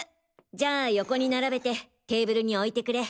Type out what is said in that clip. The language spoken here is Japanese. じゃあ横に並べてテーブルに置いてくれ。